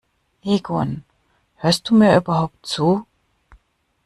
Egon, hörst du mir überhaupt zu?